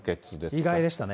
意外でしたね。